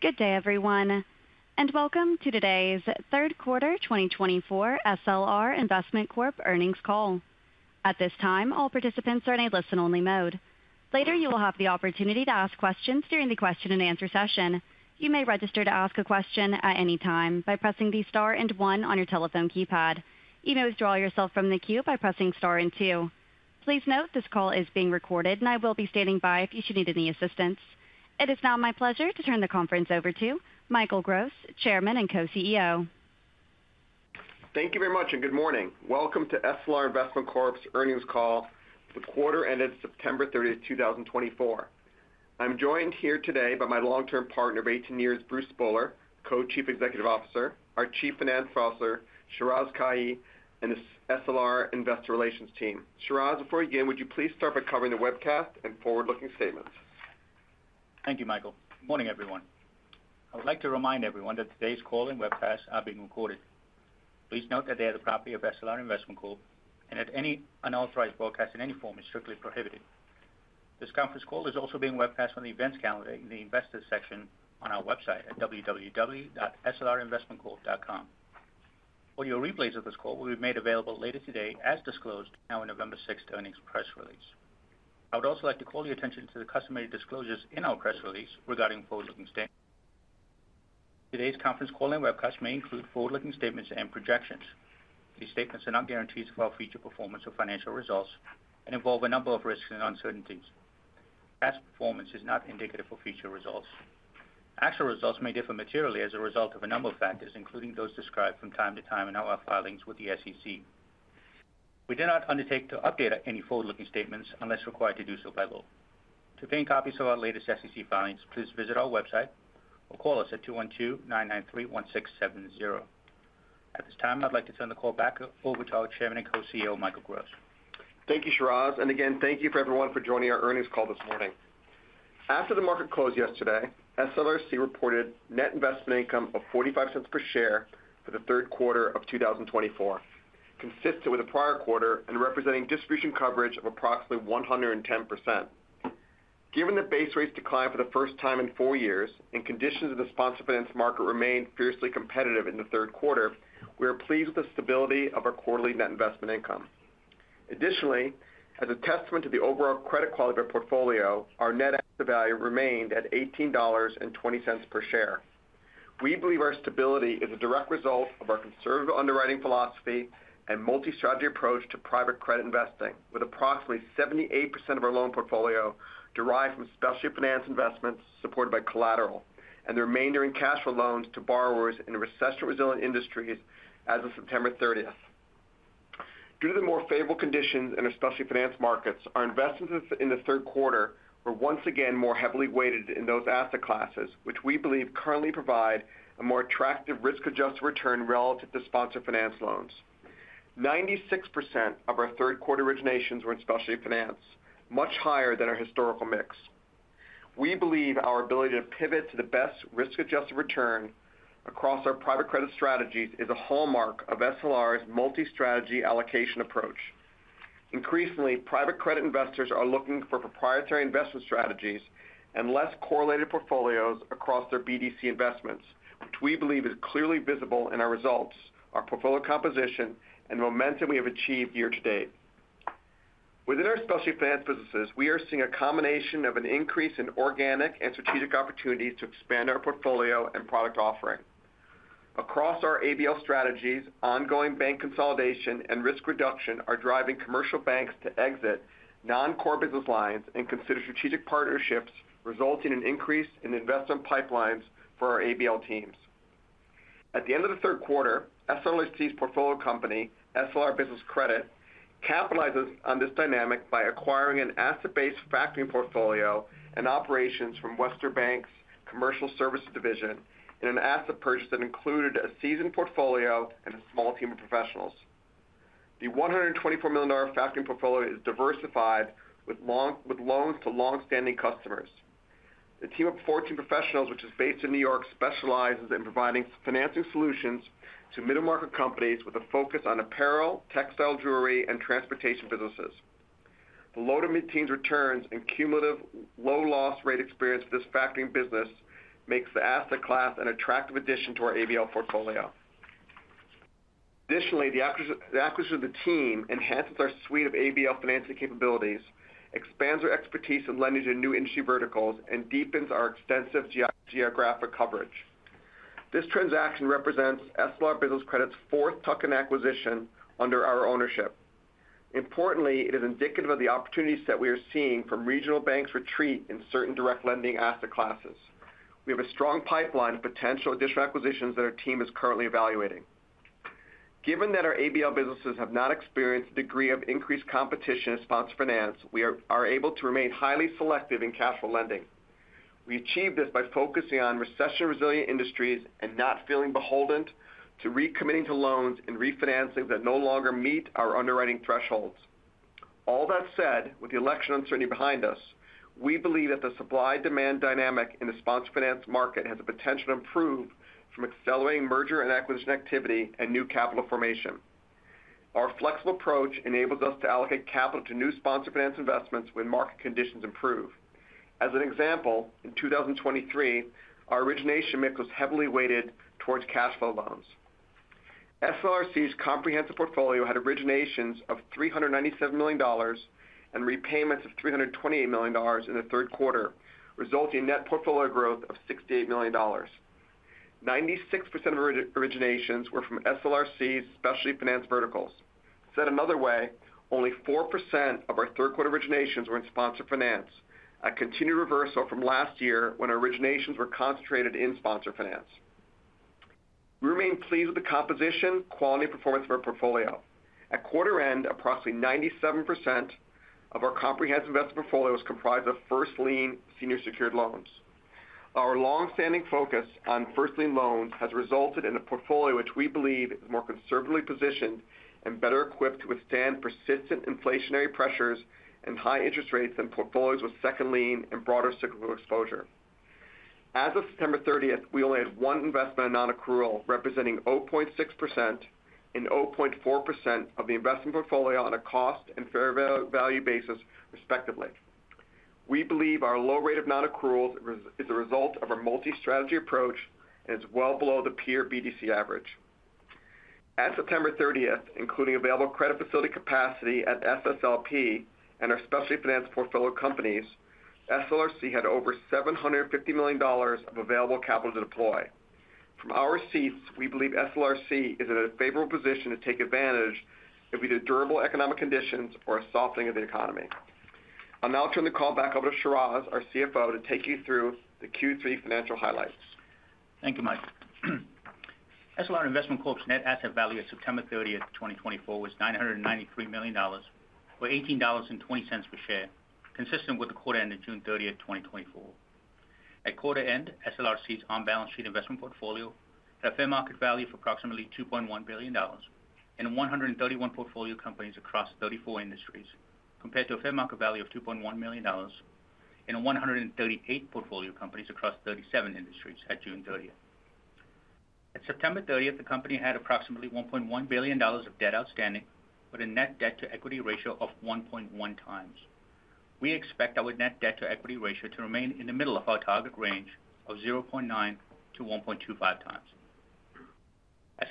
Good day, everyone, and welcome to today's third quarter 2024 SLR Investment Corp earnings call. At this time, all participants are in a listen-only mode. Later, you will have the opportunity to ask questions during the question-and-answer session. You may register to ask a question at any time by pressing the star and one on your telephone keypad. You may withdraw yourself from the queue by pressing star and two. Please note this call is being recorded, and I will be standing by if you should need any assistance. It is now my pleasure to turn the conference over to Michael Gross, Chairman and Co-CEO. Thank you very much, and good morning. Welcome to SLR Investment Corp's earnings call. The quarter ended September 30th, 2024. I'm joined here today by my long-term partner, of 18 years, Bruce Spohler, Co-Chief Executive Officer, our Chief Financial Officer, Shiraz Kajee, and the SLR Investor Relations team. Shiraz, before you begin, would you please start by covering the webcast and forward-looking statements? Thank you, Michael. Morning, everyone. I would like to remind everyone that today's call and webcast are being recorded. Please note that they are the property of SLR Investment Corp, and that any unauthorized broadcast in any form is strictly prohibited. This conference call is also being webcast from the events calendar in the investors section on our website at www.slrinvestmentcorp.com. Audio replays of this call will be made available later today as disclosed in our November 6th earnings press release. I would also like to call your attention to the customary disclosures in our press release regarding forward-looking statements. Today's conference call and webcast may include forward-looking statements and projections. These statements are not guarantees of our future performance or financial results and involve a number of risks and uncertainties. Past performance is not indicative of future results. Actual results may differ materially as a result of a number of factors, including those described from time to time in our filings with the SEC. We do not undertake to update any forward-looking statements unless required to do so by law. To obtain copies of our latest SEC filings, please visit our website or call us at 212-993-1670. At this time, I'd like to turn the call back over to our Chairman and Co-CEO, Michael Gross. Thank you, Shiraz. And again, thank you for everyone for joining our earnings call this morning. After the market closed yesterday, SLRC reported net investment income of $0.45 per share for the third quarter of 2024, consistent with the prior quarter and representing distribution coverage of approximately 110%. Given the base rates decline for the first time in four years and conditions of the sponsored finance market remained fiercely competitive in the third quarter, we are pleased with the stability of our quarterly net investment income. Additionally, as a testament to the overall credit quality of our portfolio, our net asset value remained at $18.20 per share. We believe our stability is a direct result of our conservative underwriting philosophy and multi-strategy approach to private credit investing, with approximately 78% of our loan portfolio derived from specialty finance investments supported by collateral and the remainder in cash for loans to borrowers in recession-resilient industries as of September 30th. Due to the more favorable conditions in our specialty finance markets, our investments in the third quarter were once again more heavily weighted in those asset classes, which we believe currently provide a more attractive risk-adjusted return relative to sponsored finance loans. 96% of our third-quarter originations were in specialty finance, much higher than our historical mix. We believe our ability to pivot to the best risk-adjusted return across our private credit strategies is a hallmark of SLR's multi-strategy allocation approach. Increasingly, private credit investors are looking for proprietary investment strategies and less correlated portfolios across their BDC investments, which we believe is clearly visible in our results, our portfolio composition, and the momentum we have achieved year to date. Within our specialty finance businesses, we are seeing a combination of an increase in organic and strategic opportunities to expand our portfolio and product offering. Across our ABL strategies, ongoing bank consolidation and risk reduction are driving commercial banks to exit non-core business lines and consider strategic partnerships, resulting in an increase in investment pipelines for our ABL teams. At the end of the third quarter, SLRC's portfolio company, SLR Business Credit, capitalizes on this dynamic by acquiring an asset-based factoring portfolio and operations from Webster Bank's Commercial Services Division in an asset purchase that included a seasoned portfolio and a small team of professionals. The $124 million factoring portfolio is diversified with loans to long-standing customers. The team of 14 professionals, which is based in New York, specializes in providing financing solutions to middle-market companies with a focus on apparel, textile, jewelry, and transportation businesses. The track record of the team's returns and cumulative low-loss rate experience for this factoring business makes the asset class an attractive addition to our ABL portfolio. Additionally, the acquisition of the team enhances our suite of ABL financing capabilities, expands our expertise in lending to new industry verticals, and deepens our extensive geographic coverage. This transaction represents SLR Business Credit's fourth tuck-in acquisition under our ownership. Importantly, it is indicative of the opportunities that we are seeing from regional banks' retreat in certain direct lending asset classes. We have a strong pipeline of potential additional acquisitions that our team is currently evaluating. Given that our ABL businesses have not experienced a degree of increased competition in sponsored finance, we are able to remain highly selective in cash flow lending. We achieve this by focusing on recession-resilient industries and not feeling beholden to recommitting to loans and refinancing that no longer meet our underwriting thresholds. All that said, with the election uncertainty behind us, we believe that the supply-demand dynamic in the sponsored finance market has the potential to improve from accelerating merger and acquisition activity and new capital formation. Our flexible approach enables us to allocate capital to new sponsored finance investments when market conditions improve. As an example, in 2023, our origination mix was heavily weighted towards cash flow loans. SLRC's comprehensive portfolio had originations of $397 million and repayments of $328 million in the third quarter, resulting in net portfolio growth of $68 million. 96% of originations were from SLRC's specialty finance verticals. Said another way, only 4% of our third-quarter originations were in sponsored finance, a continued reversal from last year when originations were concentrated in sponsored finance. We remain pleased with the composition, quality, and performance of our portfolio. At quarter end, approximately 97% of our comprehensive investment portfolio was comprised of first-lien senior secured loans. Our long-standing focus on first-lien loans has resulted in a portfolio which we believe is more conservatively positioned and better equipped to withstand persistent inflationary pressures and high interest rates than portfolios with second-lien and broader cyclical exposure. As of September 30th, we only had one investment in non-accrual, representing 0.6% and 0.4% of the investment portfolio on a cost and fair value basis, respectively. We believe our low rate of non-accruals is a result of our multi-strategy approach and is well below the peer BDC average. As of September 30th, including available credit facility capacity at SSLP and our specialty finance portfolio companies, SLRC had over $750 million of available capital to deploy. From our seats, we believe SLRC is in a favorable position to take advantage of either durable economic conditions or a softening of the economy. I'll now turn the call back over to Shiraz, our CFO, to take you through the Q3 financial highlights. Thank you, Michael. SLR Investment Corp's net asset value at September 30th, 2024, was $993 million, or $18.20 per share, consistent with the quarter end of June 30th, 2024. At quarter end, SLRC's on-balance sheet investment portfolio had a fair market value of approximately $2.1 billion and 131 portfolio companies across 34 industries, compared to a fair market value of $2.1 million and 138 portfolio companies across 37 industries at June 30th. At September 30th, the company had approximately $1.1 billion of debt outstanding with a net debt-to-equity ratio of 1.1 times. We expect our net debt-to-equity ratio to remain in the middle of our target range of 0.9-1.25 times.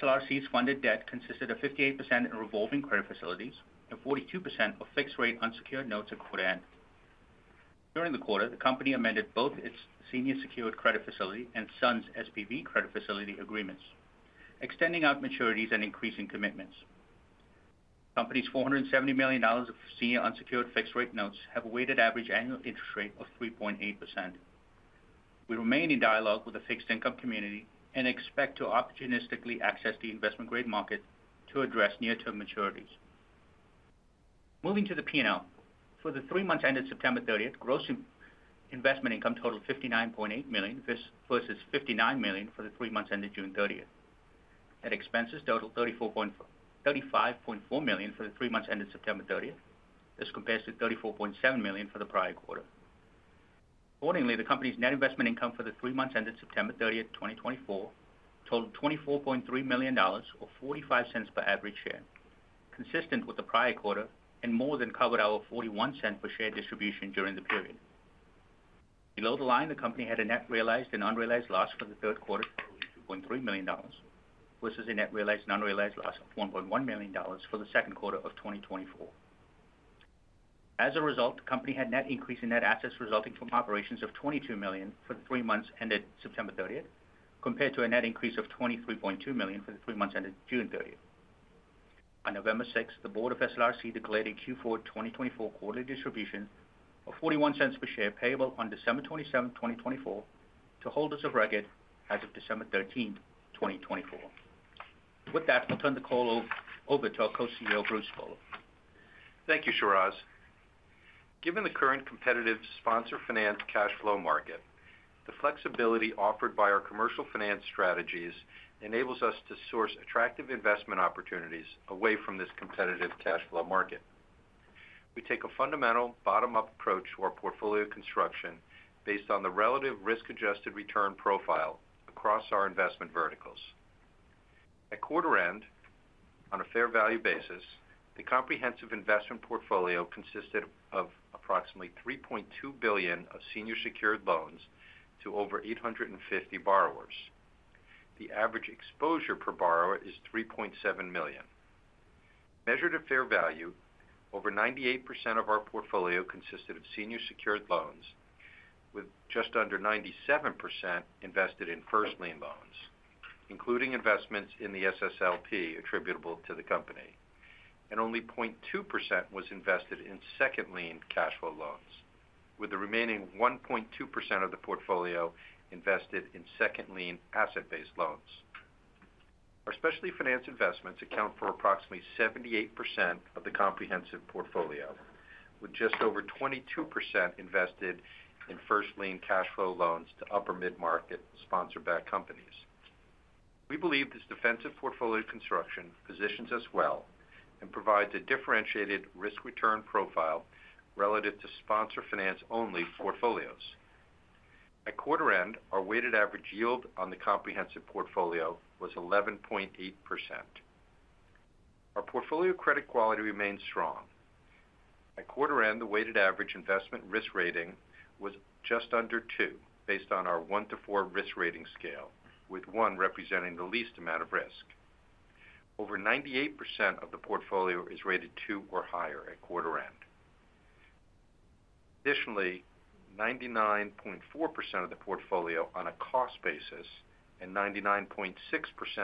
SLRC's funded debt consisted of 58% in revolving credit facilities and 42% of fixed-rate unsecured notes at quarter end. During the quarter, the company amended both its senior secured credit facility and SUNS SPV credit facility agreements, extending out maturities and increasing commitments. The company's $470 million of senior unsecured fixed-rate notes have a weighted average annual interest rate of 3.8%. We remain in dialogue with the fixed-income community and expect to opportunistically access the investment-grade market to address near-term maturities. Moving to the P&L, for the three months ended September 30th, gross investment income totaled $59.8 million versus $59 million for the three months ended June 30th. Net expenses totaled $35.4 million for the three months ended September 30th. This compares to $34.7 million for the prior quarter. Accordingly, the company's net investment income for the three months ended September 30th, 2024, totaled $24.3 million, or $0.45 per average share, consistent with the prior quarter and more than covered our $0.41 per share distribution during the period. Below the line, the company had a net realized and unrealized loss for the third quarter totaling $2.3 million versus a net realized and unrealized loss of $1.1 million for the second quarter of 2024. As a result, the company had a net increase in net assets resulting from operations of $22 million for the three months ended September 30th, compared to a net increase of $23.2 million for the three months ended June 30th. On November 6th, the board of SLRC declared a Q4 2024 quarterly distribution of $0.41 per share payable on December 27th, 2024, to holders of record as of December 13th, 2024. With that, I'll turn the call over to our Co-CEO, Bruce Spohler. Thank you, Shiraz. Given the current competitive sponsored finance cash flow market, the flexibility offered by our commercial finance strategies enables us to source attractive investment opportunities away from this competitive cash flow market. We take a fundamental bottom-up approach to our portfolio construction based on the relative risk-adjusted return profile across our investment verticals. At quarter end, on a fair value basis, the comprehensive investment portfolio consisted of approximately $3.2 billion of senior secured loans to over 850 borrowers. The average exposure per borrower is $3.7 million. Measured at fair value, over 98% of our portfolio consisted of senior secured loans, with just under 97% invested in first-lien loans, including investments in the SSLP attributable to the company. Only 0.2% was invested in second-lien cash flow loans, with the remaining 1.2% of the portfolio invested in second-lien asset-based loans. Our specialty finance investments account for approximately 78% of the comprehensive portfolio, with just over 22% invested in first lien cash flow loans to upper-mid market sponsor-backed companies. We believe this defensive portfolio construction positions us well and provides a differentiated risk-return profile relative to sponsored finance-only portfolios. At quarter end, our weighted average yield on the comprehensive portfolio was 11.8%. Our portfolio credit quality remained strong. At quarter end, the weighted average investment risk rating was just under 2, based on our 1 to 4 risk rating scale, with 1 representing the least amount of risk. Over 98% of the portfolio is rated 2 or higher at quarter end. Additionally, 99.4% of the portfolio on a cost basis and 99.6%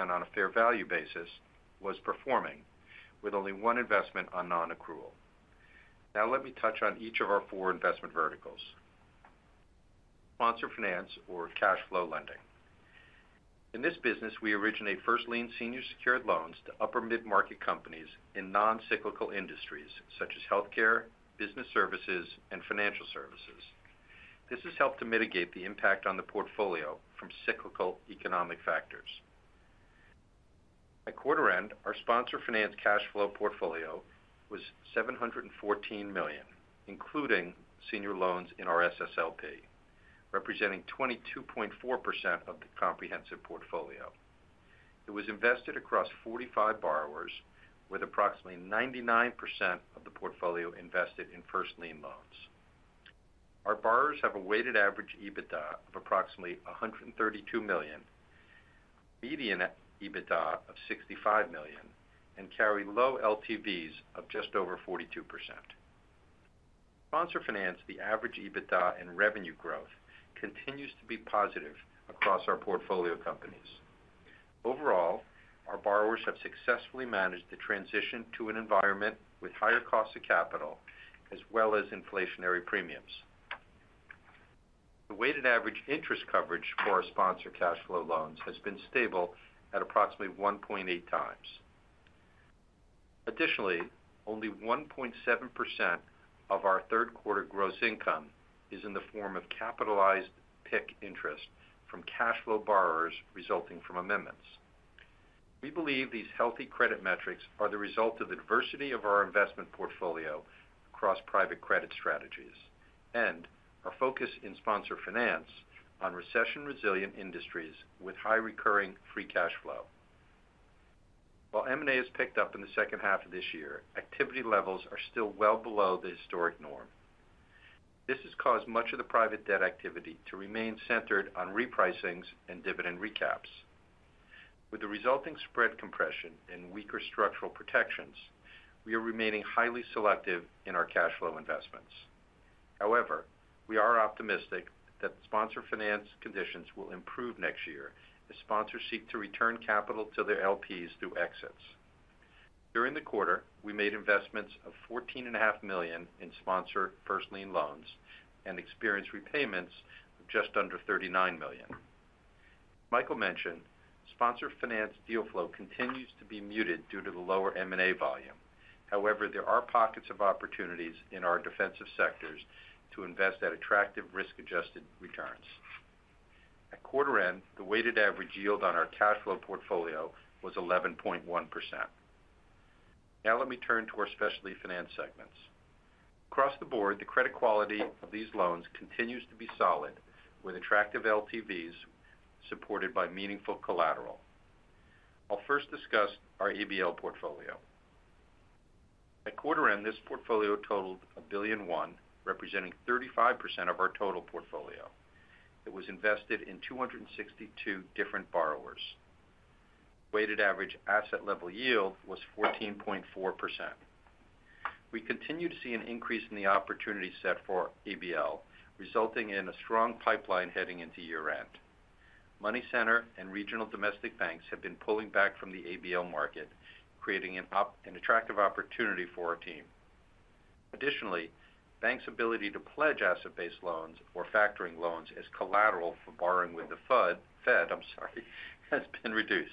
on a fair value basis was performing, with only one investment on non-accrual. Now let me touch on each of our four investment verticals. Sponsored finance or cash flow lending. In this business, we originate first-lien senior secured loans to upper middle-market companies in non-cyclical industries such as healthcare, business services, and financial services. This has helped to mitigate the impact on the portfolio from cyclical economic factors. At quarter end, our sponsored finance cash flow portfolio was $714 million, including senior loans in our SSLP, representing 22.4% of the comprehensive portfolio. It was invested across 45 borrowers, with approximately 99% of the portfolio invested in first-lien loans. Our borrowers have a weighted average EBITDA of approximately $132 million, median EBITDA of $65 million, and carry low LTVs of just over 42%. Sponsored finance, the average EBITDA and revenue growth continues to be positive across our portfolio companies. Overall, our borrowers have successfully managed the transition to an environment with higher costs of capital as well as inflationary premiums. The weighted average interest coverage for our sponsored cash flow loans has been stable at approximately 1.8 times. Additionally, only 1.7% of our third-quarter gross income is in the form of capitalized PIK interest from cash flow borrowers resulting from amendments. We believe these healthy credit metrics are the result of the diversity of our investment portfolio across private credit strategies and our focus in sponsored finance on recession-resilient industries with high recurring free cash flow. While M&A has picked up in the second half of this year, activity levels are still well below the historic norm. This has caused much of the private debt activity to remain centered on repricings and dividend recaps. With the resulting spread compression and weaker structural protections, we are remaining highly selective in our cash flow investments. However, we are optimistic that the sponsored finance conditions will improve next year as sponsors seek to return capital to their LPs through exits. During the quarter, we made investments of $14.5 million in sponsored first-lien loans and experienced repayments of just under $39 million. As Michael mentioned, sponsored finance deal flow continues to be muted due to the lower M&A volume. However, there are pockets of opportunities in our defensive sectors to invest at attractive risk-adjusted returns. At quarter end, the weighted average yield on our cash flow portfolio was 11.1%. Now let me turn to our specialty finance segments. Across the board, the credit quality of these loans continues to be solid, with attractive LTVs supported by meaningful collateral. I'll first discuss our ABL portfolio. At quarter end, this portfolio totaled $1.01 billion, representing 35% of our total portfolio. It was invested in 262 different borrowers. Weighted average asset-level yield was 14.4%. We continue to see an increase in the opportunity set for ABL, resulting in a strong pipeline heading into year-end. Money Center and regional domestic banks have been pulling back from the ABL market, creating an attractive opportunity for our team. Additionally, banks' ability to pledge asset-based loans or factoring loans as collateral for borrowing with the Fed, I'm sorry, has been reduced.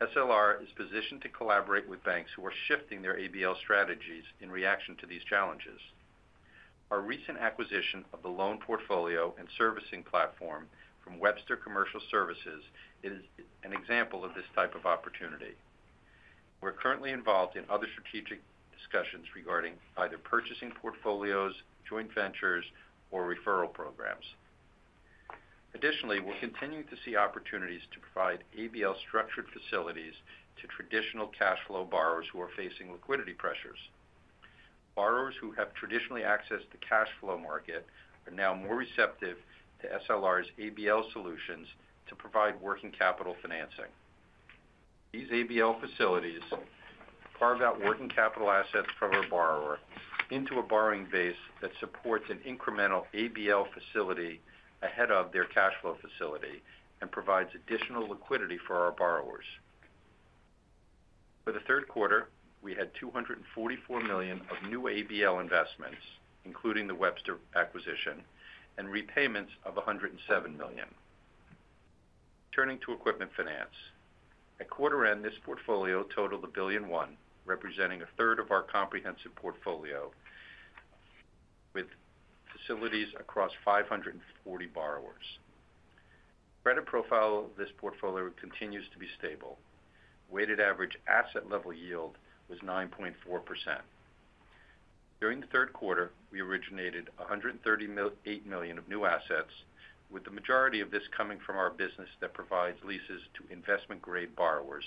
SLR is positioned to collaborate with banks who are shifting their ABL strategies in reaction to these challenges. Our recent acquisition of the loan portfolio and servicing platform from Webster Bank is an example of this type of opportunity. We're currently involved in other strategic discussions regarding either purchasing portfolios, joint ventures, or referral programs. Additionally, we'll continue to see opportunities to provide ABL structured facilities to traditional cash flow borrowers who are facing liquidity pressures. Borrowers who have traditionally accessed the cash flow market are now more receptive to SLR's ABL solutions to provide working capital financing. These ABL facilities carve out working capital assets from our borrower into a borrowing base that supports an incremental ABL facility ahead of their cash flow facility and provides additional liquidity for our borrowers. For the third quarter, we had $244 million of new ABL investments, including the Webster acquisition, and repayments of $107 million. Turning to equipment finance. At quarter end, this portfolio totaled $1.01 billion, representing a third of our comprehensive portfolio, with facilities across 540 borrowers. Credit profile of this portfolio continues to be stable. Weighted average asset-level yield was 9.4%. During the third quarter, we originated $138 million of new assets, with the majority of this coming from our business that provides leases to investment-grade borrowers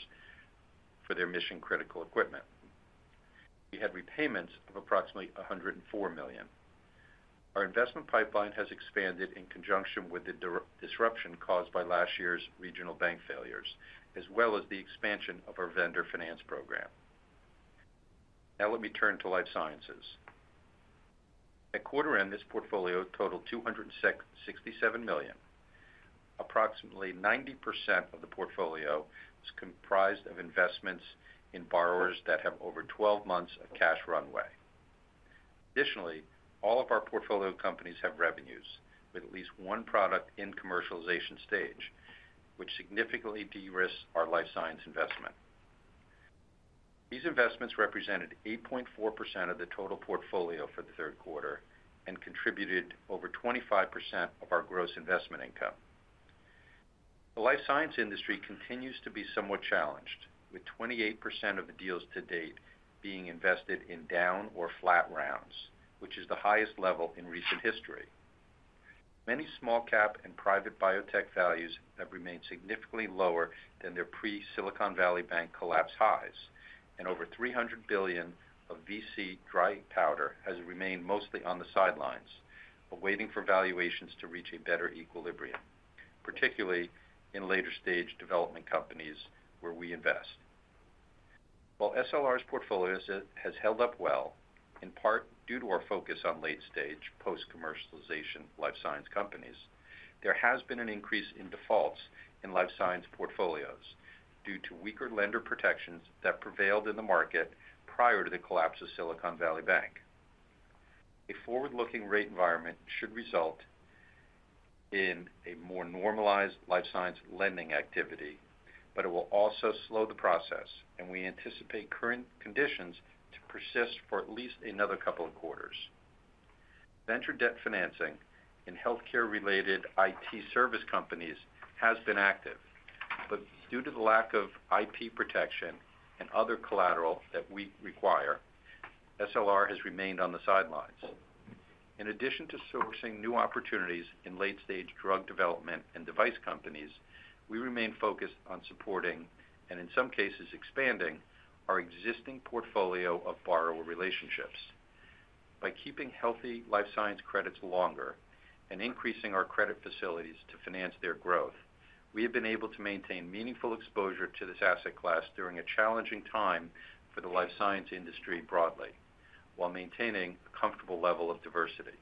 for their mission-critical equipment. We had repayments of approximately $104 million. Our investment pipeline has expanded in conjunction with the disruption caused by last year's regional bank failures, as well as the expansion of our vendor finance program. Now let me turn to life sciences. At quarter end, this portfolio totaled $267 million. Approximately 90% of the portfolio is comprised of investments in borrowers that have over 12 months of cash runway. Additionally, all of our portfolio companies have revenues with at least one product in commercialization stage, which significantly de-risked our life science investment. These investments represented 8.4% of the total portfolio for the third quarter and contributed over 25% of our gross investment income. The life science industry continues to be somewhat challenged, with 28% of the deals to date being invested in down or flat rounds, which is the highest level in recent history. Many small-cap and private biotech values have remained significantly lower than their pre-Silicon Valley Bank collapse highs, and over $300 billion of VC dry powder has remained mostly on the sidelines, awaiting for valuations to reach a better equilibrium, particularly in later-stage development companies where we invest. While SLR's portfolio has held up well, in part due to our focus on late-stage, post-commercialization life science companies, there has been an increase in defaults in life science portfolios due to weaker lender protections that prevailed in the market prior to the collapse of Silicon Valley Bank. A forward-looking rate environment should result in a more normalized life science lending activity, but it will also slow the process, and we anticipate current conditions to persist for at least another couple of quarters. Venture debt financing in healthcare-related IT service companies has been active, but due to the lack of IP protection and other collateral that we require, SLR has remained on the sidelines. In addition to sourcing new opportunities in late-stage drug development and device companies, we remain focused on supporting and, in some cases, expanding our existing portfolio of borrower relationships. By keeping healthy life science credits longer and increasing our credit facilities to finance their growth, we have been able to maintain meaningful exposure to this asset class during a challenging time for the life science industry broadly, while maintaining a comfortable level of diversity.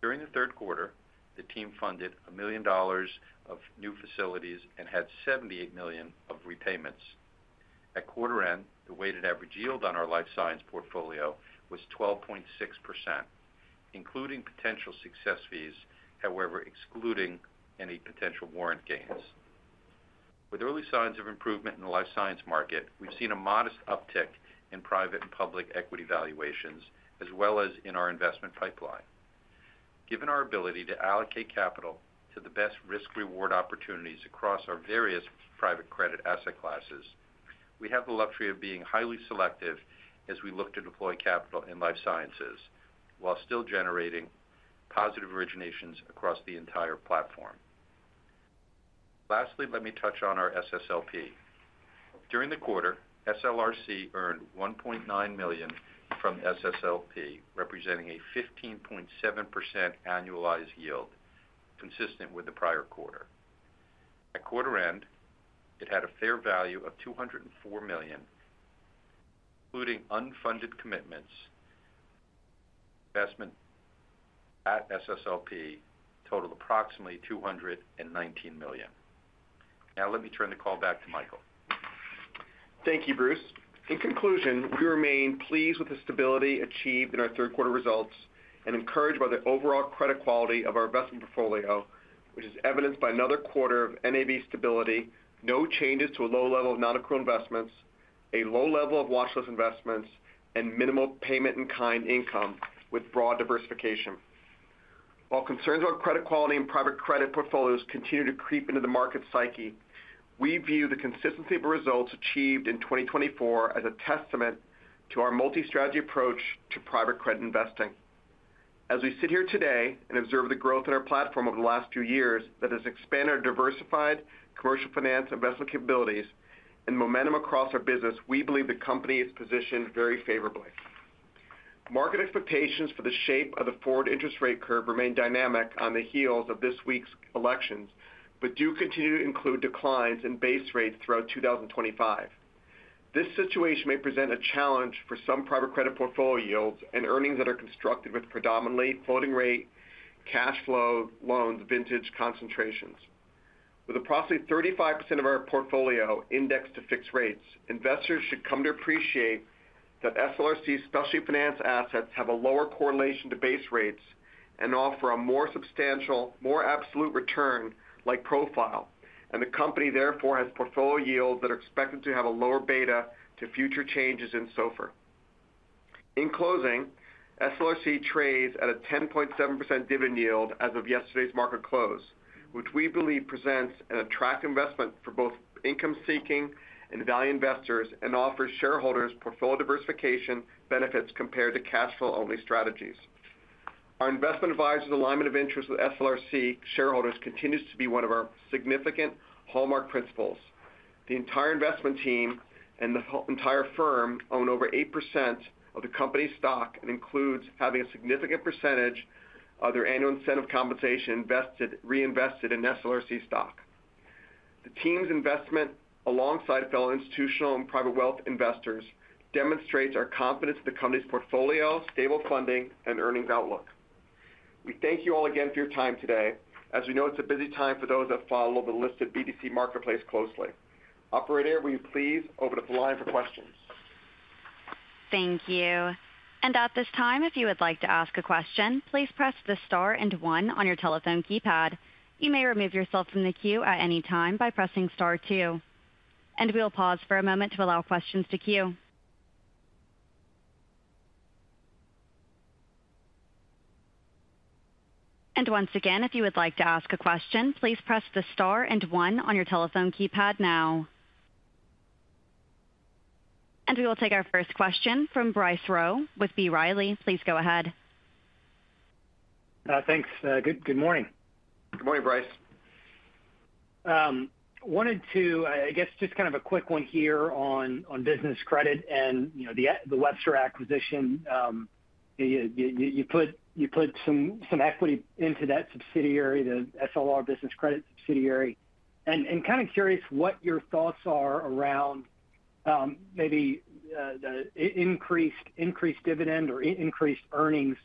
During the third quarter, the team funded $1 million of new facilities and had $78 million of repayments. At quarter end, the weighted average yield on our life science portfolio was 12.6%, including potential success fees, however, excluding any potential warrant gains. With early signs of improvement in the life science market, we've seen a modest uptick in private and public equity valuations, as well as in our investment pipeline. Given our ability to allocate capital to the best risk-reward opportunities across our various private credit asset classes, we have the luxury of being highly selective as we look to deploy capital in life sciences, while still generating positive originations across the entire platform. Lastly, let me touch on our SSLP. During the quarter, SLRC earned $1.9 million from SSLP, representing a 15.7% annualized yield, consistent with the prior quarter. At quarter end, it had a fair value of $204 million. Including unfunded commitments, investment at SSLP totaled approximately $219 million. Now let me turn the call back to Michael. Thank you, Bruce. In conclusion, we remain pleased with the stability achieved in our third-quarter results and encouraged by the overall credit quality of our investment portfolio, which is evidenced by another quarter of NAV stability, no changes to a low level of non-accrual investments, a low level of watchlist investments, and minimal payment-in-kind income with broad diversification. While concerns about credit quality and private credit portfolios continue to creep into the market psyche, we view the consistency of our results achieved in 2024 as a testament to our multi-strategy approach to private credit investing. As we sit here today and observe the growth in our platform over the last few years that has expanded our diversified commercial finance investment capabilities and momentum across our business, we believe the company is positioned very favorably. Market expectations for the shape of the forward interest rate curve remain dynamic on the heels of this week's elections, but do continue to include declines in base rates throughout 2025. This situation may present a challenge for some private credit portfolio yields and earnings that are constructed with predominantly floating rate cash flow loans vintage concentrations. With approximately 35% of our portfolio indexed to fixed rates, investors should come to appreciate that SLRC specialty finance assets have a lower correlation to base rates and offer a more substantial, more absolute return-like profile, and the company, therefore, has portfolio yields that are expected to have a lower beta to future changes in SOFR. In closing, SLRC trades at a 10.7% dividend yield as of yesterday's market close, which we believe presents an attractive investment for both income-seeking and value investors and offers shareholders portfolio diversification benefits compared to cash flow-only strategies. Our investment advisors' alignment of interest with SLRC shareholders continues to be one of our significant hallmark principles. The entire investment team and the entire firm own over 8% of the company's stock and includes having a significant percentage of their annual incentive compensation reinvested in SLRC stock. The team's investment alongside fellow institutional and private wealth investors demonstrates our confidence in the company's portfolio, stable funding, and earnings outlook. We thank you all again for your time today, as we know it's a busy time for those that follow the listed BDC marketplace closely. Operator, will you please open up the line for questions? Thank you. And at this time, if you would like to ask a question, please press the star and one on your telephone keypad. You may remove yourself from the queue at any time by pressing star two. And we'll pause for a moment to allow questions to queue. And once again, if you would like to ask a question, please press the star and one on your telephone keypad now. And we will take our first question from Bryce Rowe with B. Riley. Please go ahead. Thanks. Good morning. Good morning, Bryce. I guess just kind of a quick one here on business credit and the Webster acquisition. You put some equity into that subsidiary, the SLR Business Credit subsidiary. And kind of curious what your thoughts are around maybe the increased dividend or increased earnings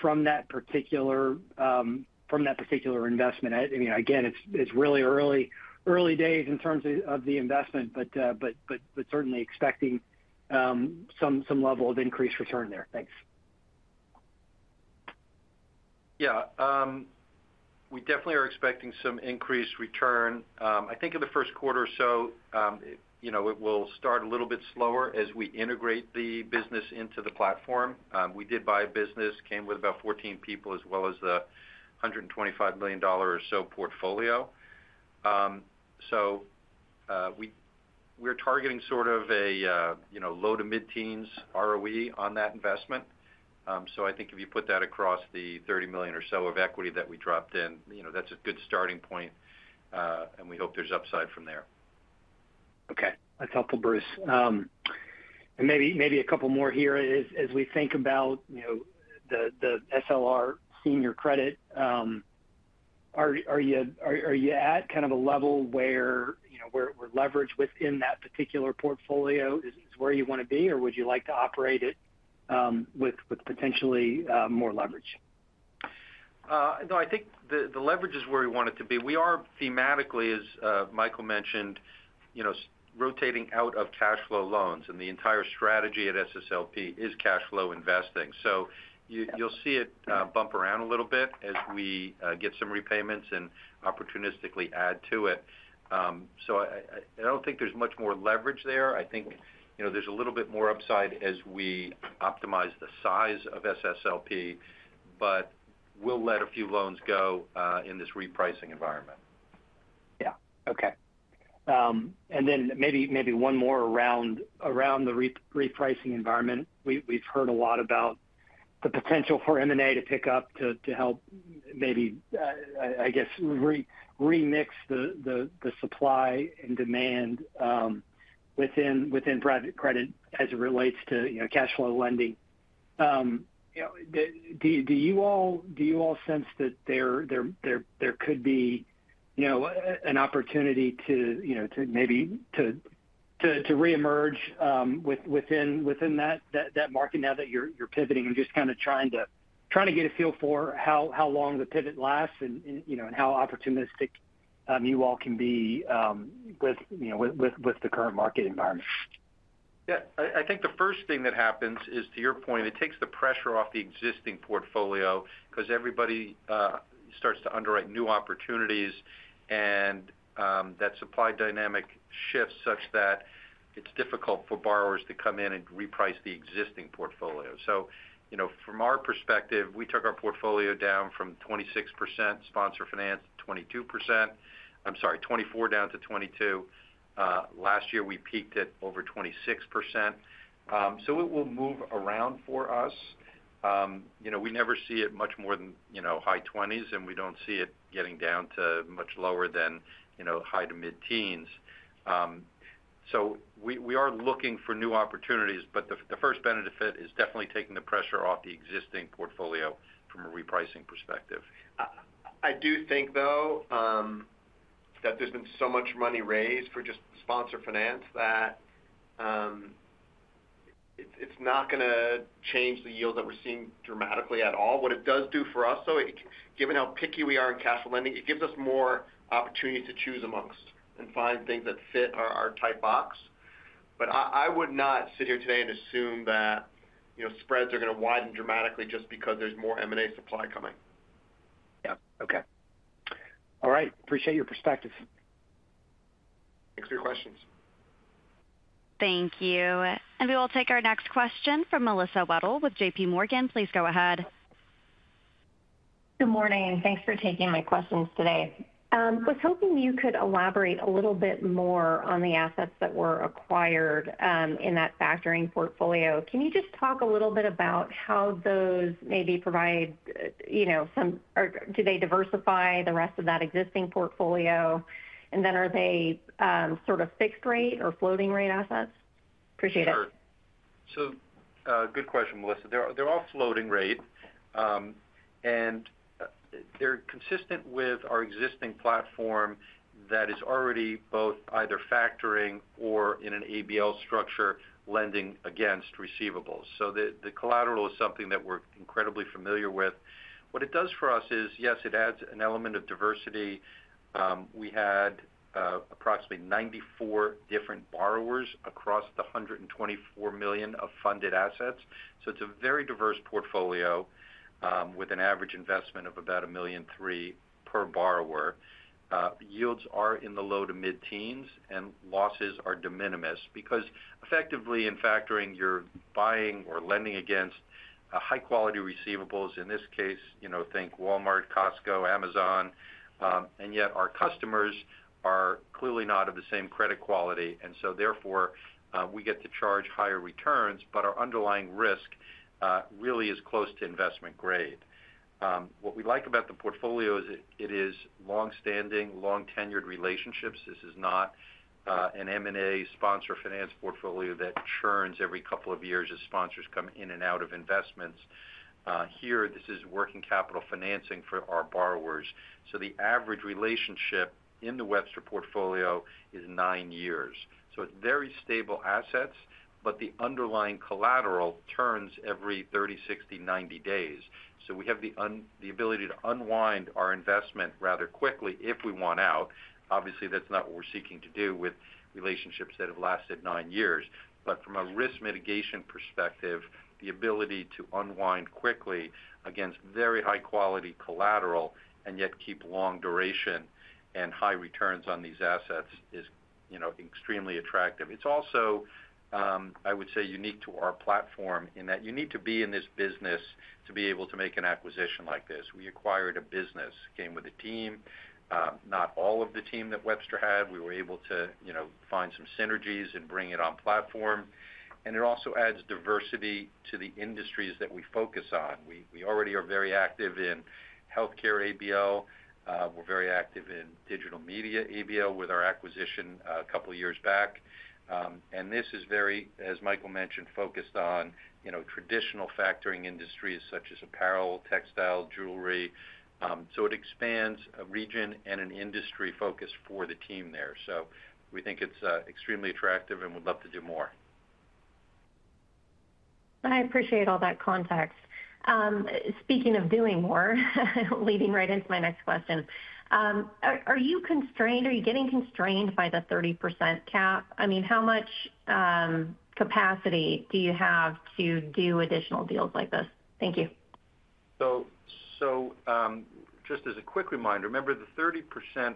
from that particular investment. Again, it's really early days in terms of the investment, but certainly expecting some level of increased return there. Thanks. Yeah. We definitely are expecting some increased return. I think in the first quarter or so, it will start a little bit slower as we integrate the business into the platform. We did buy a business, came with about 14 people, as well as the $125 million or so portfolio. So we're targeting sort of a low to mid-teens ROE on that investment. So I think if you put that across the 30 million or so of equity that we dropped in, that's a good starting point, and we hope there's upside from there. Okay. That's helpful, Bruce. And maybe a couple more here as we think about the SLR Senior Credit. Are you at kind of a level where we're leveraged within that particular portfolio? Is this where you want to be, or would you like to operate it with potentially more leverage? No, I think the leverage is where we want it to be. We are thematically, as Michael mentioned, rotating out of cash flow loans, and the entire strategy at SSLP is cash flow investing. So you'll see it bump around a little bit as we get some repayments and opportunistically add to it. So I don't think there's much more leverage there. I think there's a little bit more upside as we optimize the size of SSLP, but we'll let a few loans go in this repricing environment. Yeah. Okay. And then maybe one more around the repricing environment. We've heard a lot about the potential for M&A to pick up to help maybe, I guess, remix the supply and demand within private credit as it relates to cash flow lending. Do you all sense that there could be an opportunity to maybe to reemerge within that market now that you're pivoting and just kind of trying to get a feel for how long the pivot lasts and how opportunistic you all can be with the current market environment? Yeah. I think the first thing that happens is, to your point, it takes the pressure off the existing portfolio because everybody starts to underwrite new opportunities, and that supply dynamic shifts such that it's difficult for borrowers to come in and reprice the existing portfolio. So from our perspective, we took our portfolio down from 26% sponsor finance to 22%. I'm sorry, 24% down to 22%. Last year, we peaked at over 26%. So it will move around for us. We never see it much more than high 20s, and we don't see it getting down to much lower than high to mid-teens. So we are looking for new opportunities, but the first benefit is definitely taking the pressure off the existing portfolio from a repricing perspective. I do think, though, that there's been so much money raised for just sponsor finance that it's not going to change the yield that we're seeing dramatically at all. What it does do for us, though, given how picky we are in cash flow lending, it gives us more opportunities to choose amongst and find things that fit our tight box. But I would not sit here today and assume that spreads are going to widen dramatically just because there's more M&A supply coming. Yeah. Okay. All right. Appreciate your perspective. Thanks for your questions. Thank you. And we will take our next question from Melissa Wedel with J.P. Morgan. Please go ahead. Good morning. Thanks for taking my questions today. I was hoping you could elaborate a little bit more on the assets that were acquired in that factoring portfolio. Can you just talk a little bit about how those maybe provide some or do they diversify the rest of that existing portfolio? And then are they sort of fixed rate or floating rate assets? Appreciate it. Sure. So good question, Melissa. They're all floating rate, and they're consistent with our existing platform that is already both either factoring or in an ABL structure lending against receivables. So the collateral is something that we're incredibly familiar with. What it does for us is, yes, it adds an element of diversity. We had approximately 94 different borrowers across the $124 million of funded assets. It's a very diverse portfolio with an average investment of about $1.3 million per borrower. Yields are in the low to mid-teens, and losses are de minimis because effectively, in factoring, you're buying or lending against high-quality receivables, in this case, think Walmart, Costco, Amazon. And yet our customers are clearly not of the same credit quality. And so therefore, we get to charge higher returns, but our underlying risk really is close to investment grade. What we like about the portfolio is it is long-standing, long-tenured relationships. This is not an M&A sponsor finance portfolio that churns every couple of years as sponsors come in and out of investments. Here, this is working capital financing for our borrowers. So the average relationship in the Webster portfolio is nine years. So it's very stable assets, but the underlying collateral turns every 30, 60, 90 days. So we have the ability to unwind our investment rather quickly if we want out. Obviously, that's not what we're seeking to do with relationships that have lasted nine years. But from a risk mitigation perspective, the ability to unwind quickly against very high-quality collateral and yet keep long duration and high returns on these assets is extremely attractive. It's also, I would say, unique to our platform in that you need to be in this business to be able to make an acquisition like this. We acquired a business, came with a team, not all of the team that Webster had. We were able to find some synergies and bring it on platform. And it also adds diversity to the industries that we focus on. We already are very active in healthcare ABL. We're very active in digital media ABL with our acquisition a couple of years back. This is very, as Michael mentioned, focused on traditional factoring industries such as apparel, textile, jewelry. So it expands a region and an industry focus for the team there. So we think it's extremely attractive and would love to do more. I appreciate all that context. Speaking of doing more, leading right into my next question, are you constrained? Are you getting constrained by the 30% cap? I mean, how much capacity do you have to do additional deals like this? Thank you. So just as a quick reminder, remember the 30%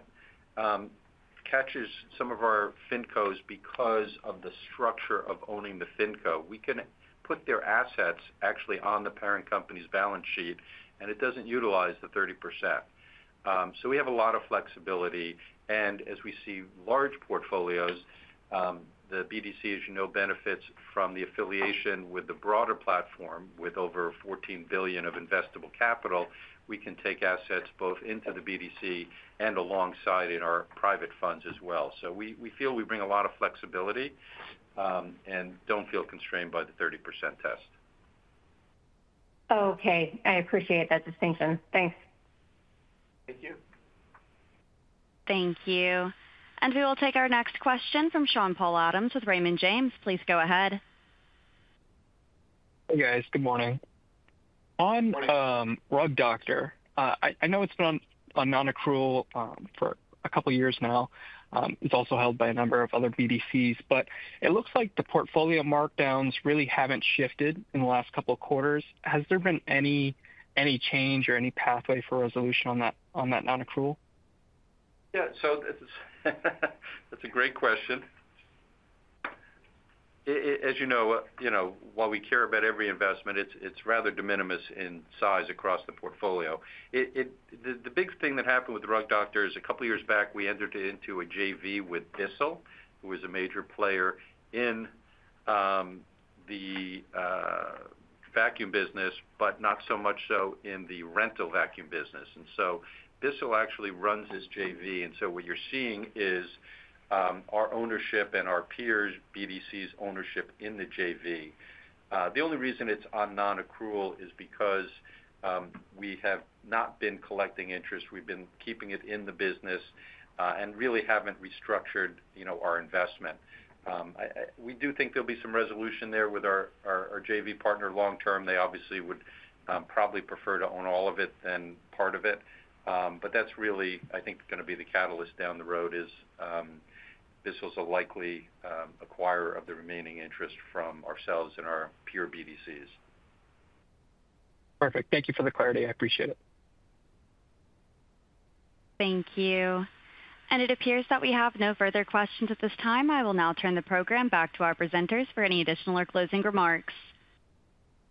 catches some of our FINCOs because of the structure of owning the FINCO. We can put their assets actually on the parent company's balance sheet, and it doesn't utilize the 30%. So we have a lot of flexibility. And as we see large portfolios, the BDC, as you know, benefits from the affiliation with the broader platform with over $14 billion of investable capital. We can take assets both into the BDC and alongside in our private funds as well. So we feel we bring a lot of flexibility and don't feel constrained by the 30% test. Okay. I appreciate that distinction. Thanks. Thank you. Thank you. And we will take our next question from Sean-Paul Adams with Raymond James. Please go ahead. Hey, guys. Good morning. On Rug Doctor, I know it's been a non-accrual for a couple of years now. It's also held by a number of other BDCs, but it looks like the portfolio markdowns really haven't shifted in the last couple of quarters. Has there been any change or any pathway for resolution on that non-accrual? Yeah. So that's a great question. As you know, while we care about every investment, it's rather de minimis in size across the portfolio. The big thing that happened with Rug Doctor is a couple of years back, we entered into a JV with Bissell, who is a major player in the vacuum business, but not so much so in the rental vacuum business. And so Bissell actually runs this JV. And so what you're seeing is our ownership and our peers, BDCs' ownership in the JV. The only reason it's on non-accrual is because we have not been collecting interest. We've been keeping it in the business and really haven't restructured our investment. We do think there'll be some resolution there with our JV partner long-term. They obviously would probably prefer to own all of it than part of it. But that's really, I think, going to be the catalyst down the road. Bissell's a likely acquirer of the remaining interest from ourselves and our peer BDCs. Perfect. Thank you for the clarity. I appreciate it. Thank you. And it appears that we have no further questions at this time. I will now turn the program back to our presenters for any additional or closing remarks.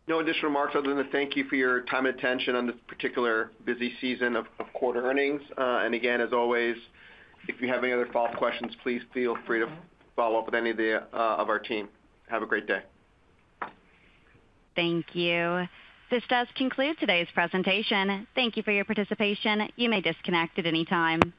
No additional remarks other than thank you for your time and attention on this particular busy season of quarter earnings. And again, as always, if you have any other follow-up questions, please feel free to follow up with any of our team. Have a great day. Thank you. This does conclude today's presentation. Thank you for your participation. You may disconnect at any time.